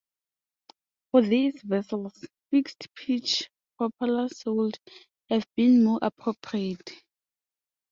For these vessels, fixed-pitch propellers would have been more appropriate.